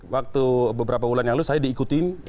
waktu beberapa bulan yang lalu saya diikutin